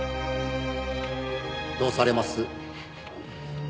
「どうされます？」